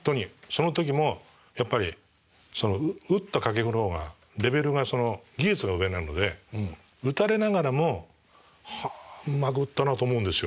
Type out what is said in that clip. その時もやっぱり打った掛布の方がレベルが技術が上なので打たれながらも「はあうまく打ったな」と思うんですよ。